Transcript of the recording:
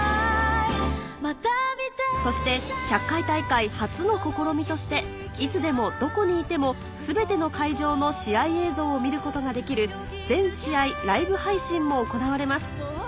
そして１００回大会初の試みとしていつでもどこにいても全ての会場の試合映像を見ることができる全試合ライブ配信も行われます